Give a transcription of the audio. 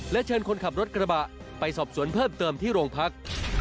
เชิญคนขับรถกระบะไปสอบสวนเพิ่มเติมที่โรงพัก